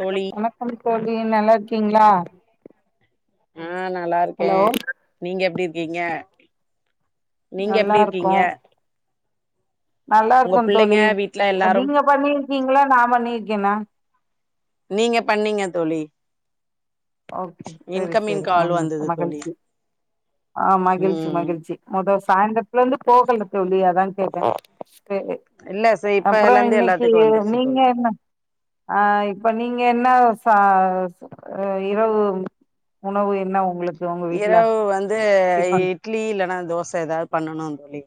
தோழி ணம் வணக்கம் தோழி நல்லா இருக்கீங்களா, ஆஹ் நல்லா ஹலோ இருக்கேன் நீங்க எப்படி -இருக் க்கீங்க நல்லா இருக்கோம். நல்லா உங்க இருக்கோம் பிள்ளைங்க தோழி வீட்ல இப்ப எல்லாரும் நீங்க பண்ணி நீங்களா நா பண்ணிருக்கேன்னா நீங்க பண்ணீங்க தோழி ஓகே செரி இன்கமிங் செரி கால் வந்தது [unintelligible] தோழி மகிழ்ச்சி ஆஹ் மகிழ்ச்சி ம் மகிழ்ச்சி மொத சாயந்திரத்துல இருந்து போகல தோழி அதான் கேட்டேன் சேரி இல்ல சே இப்பல அப்றோ இருந்து இன்னைக்கு எல்லாத்துக்கு வந்துருச்சு நீங்க தோழி என்ன ஆஹ் இப்ப நீங்க என்ன ச இரவு உணவு என்ன உங்களுக்கு உங்க வீட்ல இரவு வந்து தே இ டிஃபன் இட்லி இல்லன்னா தோச எதாவு பண்ணணு தோழி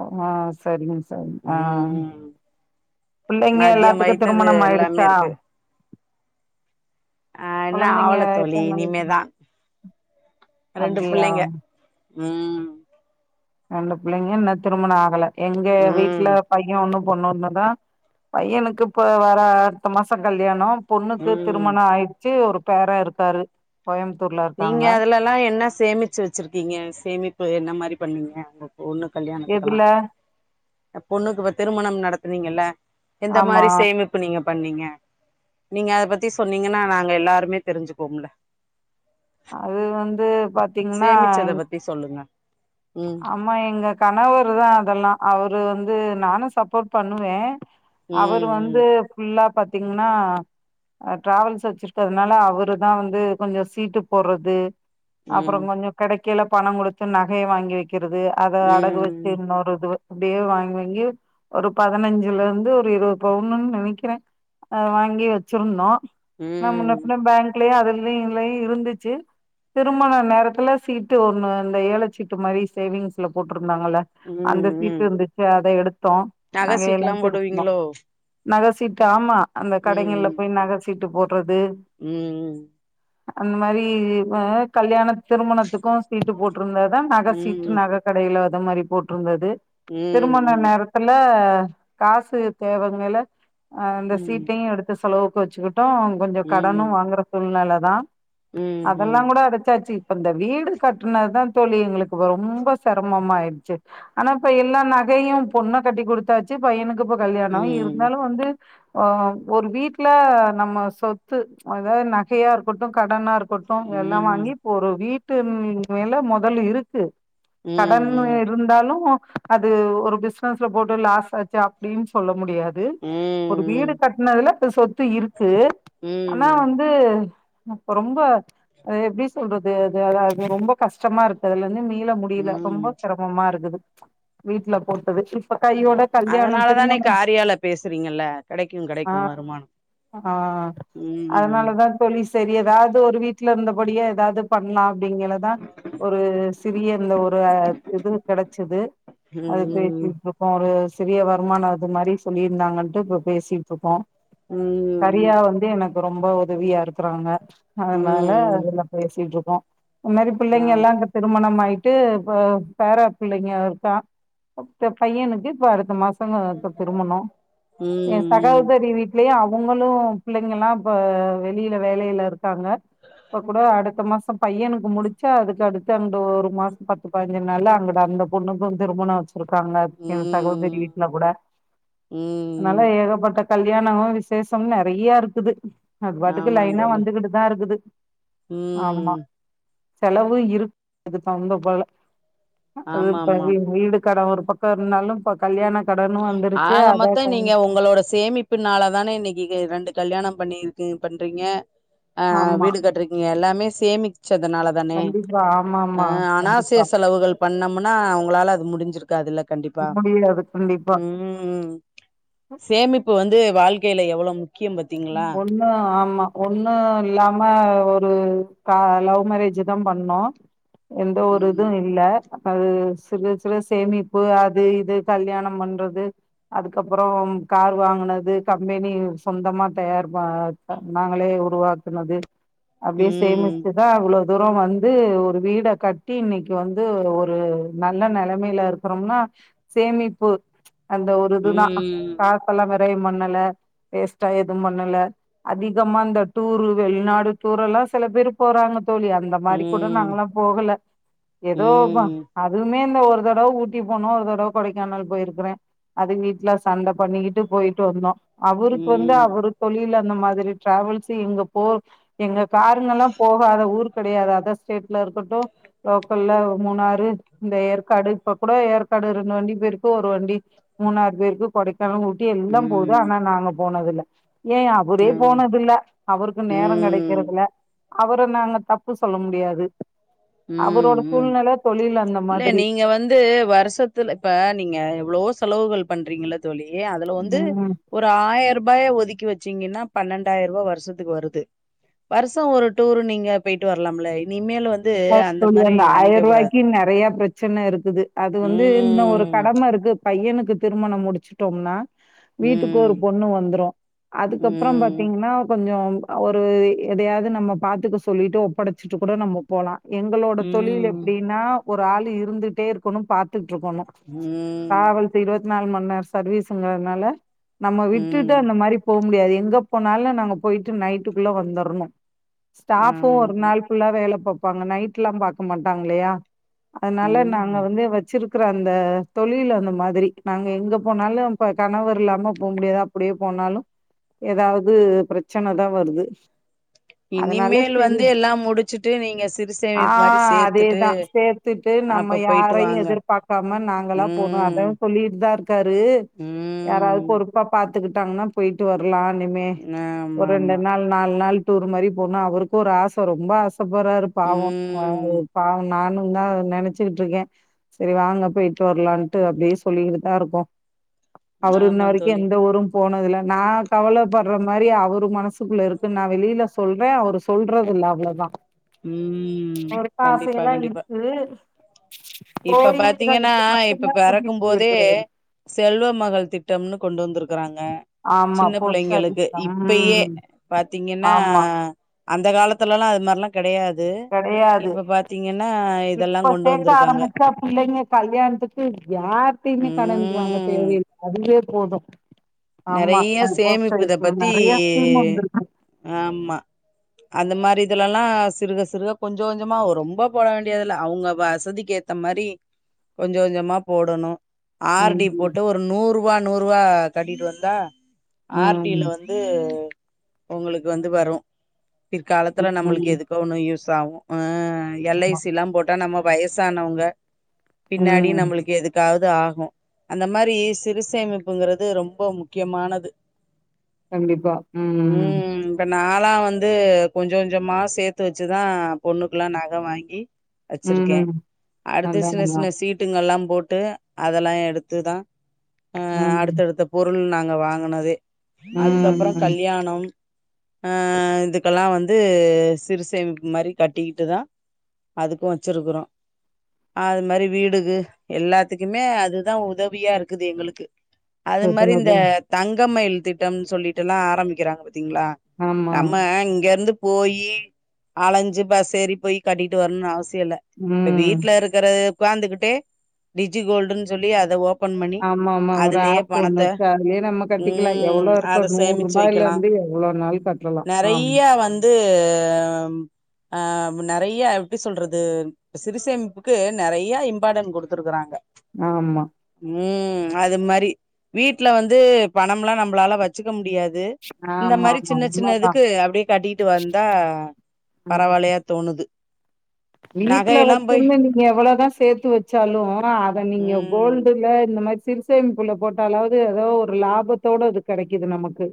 ஓ ஆ செரிங்க செரிங்க ஆ ம் பிள்ளைங்க மதியம் எல்லாத்துக்கு வைத்தது திருமணம் ஆயிடுச்சா அ இன்னு கொழந்தைங்க ஆவலத் தோழி எத்தன நாளைக்கு இனிமேதா ரெண்டு அப்டியா பிள்ளைங்க ம் ரெண்டு பிள்ளைங்க இன்னு திருமணம் ஆகல எங்க ம் வீட்ல பைய ஒன்னுப் பொண்னொன்னுதா பையனுக்கு இப்ப வர அத்த மாசோ கல்யாணோ பொண்ணுக்கு ம் திருமண ஆயிட்ச்சி ஒரு பேரா இருக்காரு கோயம்புத்தூர்ல நீங்க இருக்காங்க அதுலெல்லா என்ன சேமிச்சு வச்சிருக்கீங்க சேமிப்பு என்ன மாரி பண்வீங்க ஒன்னு கல்யாணத்துக்கெல்லா எதுல அ பொண்ணுக்கு இப்ப திருமணம் நடத்துனீங்கள்ல எந்த ஆமா மாரி சேமிப்பு நீங்க பண்ணீங்க நீங்க அத பத்தி சொன்னீங்கனா நாங்க எல்லாருமே தெரிஞ்சுக்கோம்ல அது வந்து பாத்தீங்கனா சேமிச்சத எங்ளுக் பத்தி சொல்லுங்க ம் ஆமா எங்க கணவர்தா அதெல்லா அவுர் து வந்து நானு சப்போர்ட் பண்ணுவே அவர் ம் வந்து ஃபுல்லா பாத் தீங்னா ஆ டிராவல்ஸ் வெச்சிருக்கறதுனால அவுருதா வந்து கொஞ்சோ சீட்டு போட்றது அப்பறோ ம் கொஞ்சோ கடை கீழ பணோ குடுத்து நகைய வாங்கி வெயி க்கிறது அத அடகு வெச்சு ம் இன்னொரு இதுவு அப்டே வாங் வாங்கி ஒரு பதினஞ்சுலந்து ஒரு இருவது பவுன்னுன்னு நெனக்கிறே அத வாங்கி வச்சிருந்தோ னா முன்ன ம் பின்ன பேங்க்லயே அதில் நில்வை இருந்துச்சு திருமண நேரத்துல சீட்டு ஒன்னு அந்த ஏழ சீட்டு மாரி சேவிங்ஸ்ல போட்டு டுந்தாங்கள்ல ம் அந்த ம் சீட்டு ம் இருந்துச்சு அத எடுத்தோ நக நகையெல்லா சீட்லா திருப்னோ போடுவீங்களோ நகசீட்டு ஆமா அந்த கடைகள்ல ம் போயி நக ட்டு போ ம் அந்த மாரீ வ கல்யாண திருமணத்துக்கு சீட்டு போட்ருந்ததா நக ம் சீட் டு ம் நக கடைல இந்த மாரி போட்ருந்தது திருமண ம் நேரத்துல அ காசு தேவங்கேல அ அந்த ம் ம் சீட்டையு எடுத்து செலவ் வச்சுக்குட் டொ கொஞ்சோ கடனு ம் வாங்குற சூழ்நெல தான் அதெல்லா ம் கூட அடச்சாச்சு அந்த வீடு கட்னதுதா தோழி எங்குளுக்கு வவ் ரொம்ப சிரமமாய்ருச்சு ஆனா ப்ப எல்லா நகையு பொண்ண கட்டி குடுத்தாச்சு பையனுக் குப்போ கல்யாணோ ம் இருந்தாலு வந்து ஒ ஒரு வீட்ல நம்ம சொத்து அதாது நகையா இருக்கட்டு கடனா இருக் கட்டு எல்லா ம் ம் வாங்கி ப்போ ஒரு வீட் ட்டு ம் மேல மொதல் இருக்கு ம் கடன்னு ம் இருந்தாலு அது ஒரு பிஸ்னஸ்ல போட்டு லாஸ் ஆச்சு அப்டின் சொல்ல முடியாத் து ஒரு வீடு ம் கட்னதுல இப்ப சொத்து இருக்கு ஆனா ம் ம் வந்து அப்ப ரொம்ப அ எப்டி சொல்றது அது அத அது ரொம்போ கஷ்டமா இருக்கு அதுலருந்து மீ மீள முடியல ரொம்ப ம் செரமமா இருக்குது வீட்ல போட்டது இப்ப கையோட கல்யாணம் அதனால தானே திருமணம் காரியால பேசுறீங்கெல்ல கெடைக்கு ஆ கெடைக்கு வருமானோ ஆ ம் ம் ம் சேரி எதாவது ஒரு வீட்ல இருந்தபடியே எதாவது பண்லா அப்டிங்கேளதா ஒரு சிறிய இந்த ஒரு இது கெடச்சுது அது ம் பேசிட்டுருக்கோ ஒரு சிறிய வருமான அது மாரி சொல்லியிருந்தாங்கன்ட்டு இப்ப பேசிட்டுருக்கோ ம் கரியா வந்து எனக் ரொம்ப உதவியா இருக்கறாங்க அதனால ம் அதல்லா பேசிட் இருக் தா இந் மாரி ஆ பிள்ளைங்கல்லா கத் மணமாயிட்டு பெ பேர பிள்ளைங்க இருக்கா ப பையனுக்கு இப்ப அடுத்த மாச பொங்க இப்ப திருமணொ எ ம் சகோதரி வீட்லயு அவ் ஒங்களும் பிள்ளைங்கல்லா இப்ப வெளியில வேலைல இருக்காங்க இப்ப கூட அடுத்த மாசம் பையனுக்கு முடிச்சா அதுக்கு அடு த்த ஒரு மாசம் பத்து பா ஞ்சு னால அங்க அந்த பொண்ணுக்கும் திருமணம் வச்சு ருக்காங்கா என் சகோதரி ம் வீட்டுல கூட அதனால ம் ஏகப்பட்ட கல்யாணமும் விசேஷம் நிறைய இருக்குது அது பாட்டுக்கு ஆமாந் லைனா தோழி வந்துகிட்டு தான் இருக்குது ஆமா ம் செலவு இருக் குதுப்பந்த போல ஆமா ஆமா அதுப்பவி வீடு கடன் ஒரு பக்கம் இருந்தாலும் ப கல்யாண கடனு வந்துருச்சு ஆக அத மத்தம் நீங்க உங்களோட சேமிப்புனால தானே இன்னைக்கு ரெண்டு கல்யாணம் பண்ணிருக்கு பண்றீங்க ஆ ஆமா வீடு கட்றீங்க எல்லாமே சேமிச்சதுனால தானே கண்டிப்பா ஆமா அ ஆமா அனாசிய கண்டிப்பா செலவுகள் பண்ணோம்னா ஒங்களால அது முடிஞ்சிரு அதுல்ல கண்டிப்பா முடியாது கண்டிப்பா ம் சேமிப்பு வந்து வாழ்கையில எவ்ளோ மு ஒண்ணு ஆமா ஒன்னு இல்லாம ஒரு சா லவ் மேரேஜ் தான் பண்ணோம் எந்த ஒரு ம் இதும் இல்ல அது சிறு சிறு சேமிப்பு அது இது கல்யாணம் பண்றது அதுக்கப்புறம் கார் வாங்குனது கம்பெனி சொந்தமா தயார் ப அ நாங்களே உருவாக்குனது அப்படியே ம் சேமிச்சுதான் அவ்ளோ தூரம் வந்து ஒரு வீட கட்டி இன்னைக்கு வந்து ஒரு நல்ல நலைமையில இருக்கிறோம்னா சேமிப்பு அந்த ஒரு இதுதா ம் காசெல்லாம எதையும் பண்ணல வேஸ்டா எ துவு பண்ணல அதிகமா இந்த டூரு வெளிநாடு டூரெல்லா சில பேர் போறாங்க தோழி அந்த மாரி கூட ம் நாங்கல்லா போகல ஏதோ ம் அதுவுமே ஒரு தடவ ஊட்டி போனோ ஒரு தடவ கொடைக்கானல் போயிருக்கிறே அது வீட்ல சண்ட பண்ணிக்கிட்டு போயிட்டு வந்தோ அவருக்கு வந்து ம் அவர் வெளில அந்த மாதிரி டிராவல்ஸ் இங்க போ எங்க காருங்க எல்லா போகாத ஊர் கெடையாது அதர் ஸ்டேட்ல இருக்கட்டு லோக்கல்ல மூணாறு இந்த ஏற்காடு இப்ப கூட ஏற்காடு ரெண்டு வண்டி போயிருக்கு ஒரு வண்டி மூணாறு போயிருக்கு கொடைக் கானல் ஊட்டி எல்லா போகுது ம் ஆனா நாங்க போனதுல்ல ஏ அவுரே ஆமா போனதில்ல அவருக்கு நேரொ ம் கெடைக்கறதுல்ல அவுர நாங்க தப்பு சொல்ல முடியாது ம் அவரோட ம் சூழ்நில தொழில் அந்த இல்ல மாதிரி நீங்க வந்து வருஷத்துல இப்ப நீங்க எவ்ளவோ செலவுகள் பண்றீங்கள்ல தோழி அதுல வந்து ம் ஒரு ஆயர்பாய ஒதுக்கி வெ ச்சீங்கன்னா பன்னெண்டாயருபா வருஷத்துக்கு வருது வருஷொ ஒரு டூர் நீங்க போயிட்டு வரலாம்ல இனிமேல் வ [unintelligible] தோழி அந்த ஆயர்வாய்க்கு நெறையா பிரச்சன இருக்குது அது வந்து இன்னு ஒரு ம். கடம இருக்கு பையனுக் து திருமணம் முடிச்சுட்டோம்னா வீட்டுக்கு ஒரு ம். பொண்ணு வந்துரு அதுக்கப்புறொ ம். பாத்தீங்கன்னா கொஞ்சொ ஒரு எதையாவது நம்ம பாத்துக்க சொல்லிட்டு ஒப்படச்சிட்டு கூட நம்ம போலா எங்களோட தொழில் ம். எப்டீனா ஒரு ஆள் இருந்துட்டே இருக்கணு பாத் த்துட்ருக்கணு ம். காவல் இருவத் நால் மண் நேரொ சர்வீசுங்கிறதுனால நம்ம விட்டுட்டு ம். அந்த மாரி போ முடியாது எங்க போனாலு நாங்க போயிட்டு நைட்டுக்குள்ள வந்தர்ணு ஸ்டாஃபு ஒரு ஆமாமா. நாள் ஃபுல்லா வேல பாப் பாங்க நைட்ல்லா பாக்க மாட்டாங்கில்லையா அதனால நாங்க ம். வந்து வச்சிருக் ருக்கிற அந்த தொழில் அந்த மாரி நாங்க எங்க போனாலு இப்ப கணவர் இல்லாம போக முடியாதா அப்படியே போனாலு ஏதாவது பிரச்சனதா வருது அதனால இனிமேல் சரி வந்து எல்லா முடிச்சுட்டு நீ ஆ அதேதா சேத்துட்டு நம்ம அப்ப போயிட்டு யாரையு வாங்க. எதிர்பாக்காம நாங்களா போனோ அதா ம். சொல்லிட்டுதா இருக்காரு யாராவது ம். பொறுப்பா பாத் துக்கிட்டாங்ன்னா போயிட்டு வரலா இனிமே ஒரு ரெண்டு ஆமாமா. நாள் நாலு நாள் டுர் மாரி போனா அவருக்கு ஒரு ஆச ரொம்ப ஆசப்போற பாவோ அ ம். பாவோ நானும்தா நெனச்சுக்கிட்ருக்கே சரி வாங்கப் போய்ட்டு வரலான்ட்டு அப்டியே சொல்லிக்கிட்டுதாருக்கோ அவரு ஆமா இன்னவரக்கு தோழி. எந்த ஊரு போனதுல நாக் கவலப்பர்ற மாரி அவரு மனசுக்குள்ளருக்குநா வெளில சொல்றே அவரு சொல்றதுல்ல அவ்ளோதா ம். வருக்காசையலா இருக்கு இப்பப் பாத்தீங்கன்னா கோயில்களுக்கு மட்டும் இப்பப் தான் கூட்டிட்டு பெறக்கும்போதே போயிருக்கிறாரு. செல்வ மகள் திட்டம்னு கொண்டு வந்துருக்குறாங்கச் ஆமா சின்னப் போஸ்ட் பிள்ளைங்களுக்கு ஆபீஸ்ல இப்பயேப் ம். பாத்தீங்கன்னா ஆமா. அந்த காலத்துலலா அதுமார்லா கெடையாது இது கெடையாது. இப்பப் பாத்தீங்கன்னா இதெல்லா கொண்டு வந்துருக்காங்க அக்கா புள்ளைங்க கல்யாண்த்துக்கு யார்ட்டையுமே கடனுக்கு வாங்கத் ம் தேவையேயில்லை அது இதேப்போதும் நிறையா சேமிப்பு இதப் பத்தி நெறைய ஸ்கீம் வந்திருக்கு ஆம்மா அந்த மாரி இதுலலெல்லாம் சிறுக சிறுக கொஞ்சோ கொஞ்சொமா வரும் ரொம்பப் போட வேண்டியதில்ல அவங்க வசதிக்கு ஏத்த மாரி கொஞ்சோம் கொஞ்சமாப் போடணும் ஆர்டி ம் போட்டு ஒரு நூறு வா நூறுவாக் கட்டிட்டு ந்வ தான் [unintelligible] ஆர்டில ம் வந்து உங்குளுக்கு வந்து வரும் பிற்காலத்துல ம் நம்மளுக்கு ம் எதுக்கோ ஒண்ணு யூஸ் சாவும் ஏஏ ஆமா எல்ஐசிலாம் போட்டா நம்ம வயசானவங்க பின்னாடி ம் நம்மளுக்கு எதுக்காவத் து ஆகும் அந்த மாரி சிறுசேமிப்புங்குறது ரொம்போ முக் க்கியமானது கண்டிப்பா உம் நாலா வந்து கொஞ்சோம் கொஞ்சமா சேத்துவச்சு தான் பொண்ணுக்குலா நக வாங்கி வச்சிருக்கேன் ம் அடுத்து அதா சின்ன அதா சின்ன சீட்டுங்கெல்லாம் போட்டு அதெலா எடுத்து தான் ஆஹ ம் அடுத்தடுத்தப் பொருள் நா ங்க வாங்குனதே அதுக்கப்றம் ம் கல்யாணம் அஹ் இதுக்கெல்லாம் வந்து சிறு சேமிப்பு மாதிரி கட்டிக்கிட்டுதான் அதுக்கும் வச்சிருக்கிறோம் அது மாதிரி வீடுக்கு எல்லாத்துக்குமே அதுதான் உதவியா இருக்குது எங்களுக்கு அது மாதிரி இந்த செட்டில் தங்கமயில் திட்டம்னு சொல்லிட்டு லாம் ஆரம்பிக்கிறாங்க ங்களா ஆமா நம்ம இங்க இருந்து போயி அலஞ்சு பஸ் ஏறி போய் கட்டிட்டு வரணும்னு அவசியம் இல்ல இப்ப ம் வீட்டுல இருக்கற உட்காந்துகிட்டே டிஜி கோல்டுன்னு சொல்லி அதை ஓப ஆமா ஆமா ஒரு ஆப்பு ஒண்ணு இருக்கு நமக்கு கட்டிக்கலா ம் எவ்வளோ இருக்கோ அத நூறு சேமிச்சு ரூபாய்ல வைக்கலா இருந்து எவ்வளோ வேணாலு கட்டலா ஆமா தூ ஆ ஆ நறைய எப்டி சொல்றது சிறுசேமிப்புக்கு நறைய இம்பார்டன்ட் கொடுத்துருக்குறாங்க ஆமா ம் அது மாரி வீட்ல வந் து பணம் எல்லா நம்பளால வச்சுக்க முடியா து இந்த மாரி ஆமாமா சின்ன சின்ன உண்மதா இதுக்கு அப்டியே கட்டிட்டு வந்தா பரவாலையா தோணுது வீட்டுல நகையெல்லா போய் வச்சிருந்து நீங்க எவ்வளதா சேத்து வச்சாலு அத நீங்க ம் கோல்டுல இந்த மாரி சிறு சேமிப்புல போட்டாலாவது ஏதோ ஒரு லாபத்தோட அது கெடைக்குது நமக் கு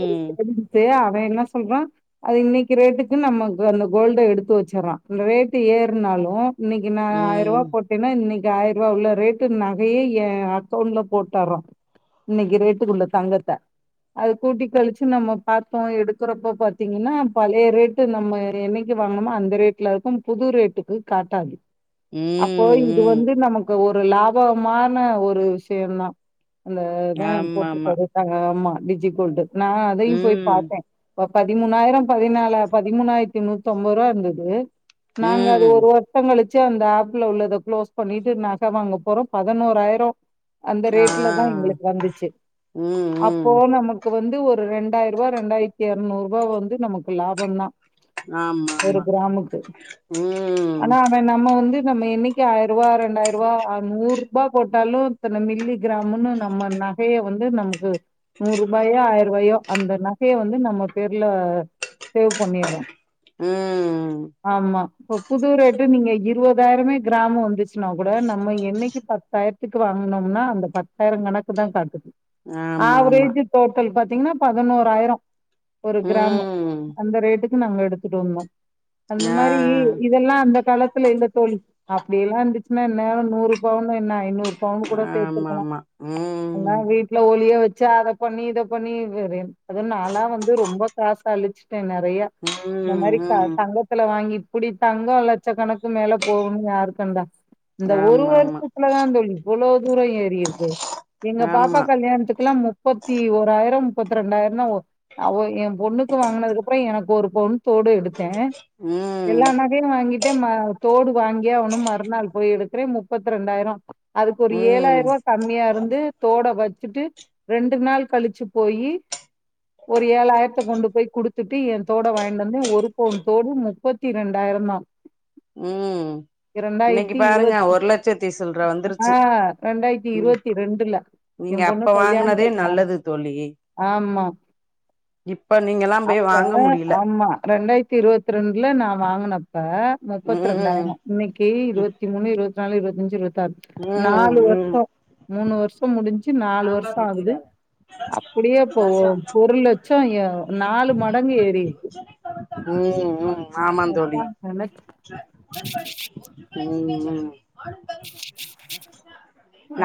சரி தெரிஞ்சுகிட்டியா அ என்ன சொல்றா அது இன்னைக்கு ரேட்டுக்கு நமக்கு அந்த கோல்ட எடுத்து வெச்சுட்றா ரேட்டு ஏறுனாலு இன்னைக்கு நா ஆயிருவா ம் போட்டேனா இன்னைக் அந்த ஆயிருவா உள்ள ரேட்டு நகைய ஏ அக்கவுண்ட்ல போட்டாரா இன்னைக்கு ரேட்டுக்குள்ள தங்கத்த அத கூட்டி கழிச்சு நம்ம பாத்தோ எடுக்கறப்ப பாத்தீங்கன்னா பழைய ரேட்டு நம்ம என்னிக்கு வாங்கனோமோ அந்த ரே எல்லாருக்கு புது ரேட்டுக்கு காட்டாது அப்போ ம் இது ம் வந்து நமக்கு ஒ ரு லாபமான ஒரு விஷயொ தா அந்த தா ஆமாமா போட்டிருக்க ரேட்டாங்க ஆமா டிஜி கோல்டு நா அதையு போய் ம் பாத்தே இப்ப பதிமூணாயிரொ பதினாலா பதிமூணாயிர திநூத்தம்பது ரூபா இருந்தது நாங்க அது ம் ஒரு வருஷங்களுக் சு அந்த ஆப்ல உள்ளத குளோஸ் பண்ணிட்டு நக வாங்க போறோ பதினோறாயிரொ அந்த ஆ ரேட்ல தா எங்களுக்கு வந்துச்சு ம் ம் அப்போ நமக்கு வந்து ஒரு ரெண்டாயிர ருவா ரெண்டாயிரத்தி எருநூறு ரூவா வந்து நமக்கு லாபம் தா ஆமா ஆமா ஆனா அவ நம்ம வந்து நம்ம என்னைக்கு ஆ ருவா ரெண்டாயிருவா ஆ நூறு பா போட்டாலு இத்தன மில்லி கிராம் ம்முன்னு நம்ம நகைய வந் து வந்து நமக்கு நூறு ருபாயே ஆயிருபாயோ அந்த நகைய வந்து நம்ம பேர்ல சேவ் பண்ணிறோ ம் ஆமா இப்பொ புது ரேட்டு நீங்க இருவதாயிரமே கிராமு வந்துச்சுனா கூட நம்ம என்னைக்கு பத்தாயிரத் த்துக்கு வாங்குனோம்னா அந்த பத்தாயிர கணக்கு தா காட்டுது ஆமாமா ஆவ்ரேஜி டோட்டல் பாத் திங்னா பதுனோறாயரோ ஒரு க்ராமு ம் அந்த ரேட்டுக் கு நாங்க எடுத்துட்டு வந்தோ அந்த மாரி ஆ இதெல்லா அந்த காலத்துல இல்ல தோழி அப்டியெல்லா இந்துச்சுனா இன்னேற நூறு பவுன் இன்னும் என்ன ஐநூறு பவுணு கூட சேத்திருக்கலா ஆமாமா எல்லா ம் வீட்ல ஒலிய வச் ச்சா அத பண்ணி இத பண்ணி ஒரே அது நாலா வந்து ரொம்ப காசு அழிச்சு டே நறையா இந்த ம் மாரி க ம் தங்க வாங்கி இப்புடி தங்கோ லட்சக்கணக்கு மேல போவுன்னு யாருக்கண்டா இந்த ஒரு ஆமாமா ஆமா வருஷத்துலதா தோழி இவ்ளோ தூரம் ஏறி இருக்கு எங்க பாப்பா ஆமா கல்யாணத்துக்குலாம் முப்பத்தி ஒராயிரம் முப்பத்தி ரண்டாயிரம் தான் ஒ அ ஒ எ பொண்ணுக்கு வாங்குனதுக்கு அப்புறோ எனக்கு ஒரு பொன் போடு எடுத்தே ம் எல்லா நகையு வாங்கிட்டே ம தோடு வாங்கியே ஆவுனு மறுநாள் போயி எடுக்குறே முப்பத்ரெண்டாயிறோ அதுக்கு ஒரு ம் ஏழாயரபா கம்மியா இருந்து தோட வச்சுட்டு ரெண்டு நாள் கலிச்சு போயி ஒரு ஏழாயிரத்த கொண்டு போய் குடுத்துட்டு என் தோட வாங்கிண்டு வந்த ஒரு பவுன் தோடு முப் போத்திரெண்டாயிரந்தா ம் இன்னைக்கு இரண்டாயிர்த்தி பாருங்க இருவத் ஒரு லட்சத்தி சில்ற ஆ வந்துருச்சு ரண்டாயித்தி ம் இருவத்தி ரெண்டுல நீங்க என் பொண்ணு அப்ப வாங்குனதே கல்யாண்த்தப்ப நல்லது தோழி ஆமா இப்ப நீங்கல்லா போய் அப்ப வாங்க முடியல ஆமா ரெண்டாயித்தி இருவத்திரண் க நா வாங்குன ப முப்பத்தி ரெண்டாயிரோ ம் இன்னக்கி இருவத்தி மூணு இருவத்தி நாலு இருவத் இஞ்சி ரொத் தாற் ம் நாலு வருஷ ம் மூணு வருஷ முடிஞ்சு நாலு சாம்பார் வருஷம் ஆகுது ஊத்திராத அப்புடியே இப்ப ஒ ரசோ ஒரு லட்சோ எ நாலு மடங்கு ஏறிருக்கு ம் ம் ஆமாந்தோழி அப்பா நெனச்சு ம் ம்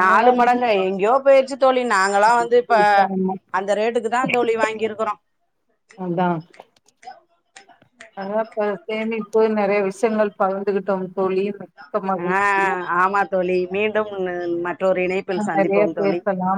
நாலு வந்து மடங்க எங்கேயோ போயச்சு தோழி நாங்களா வந்து இப்ப விட்டாங்க. அந்த ரேட்டுக்கு தா தோழ வாங்கிருக்குறோ அதா இப்ப சேமிப்பு நறைய விஷ்யங்கள் பகிந்துகிட்டோ அ ஆமா தோழி மீண்டு னு மத் அ நறைய பேசலா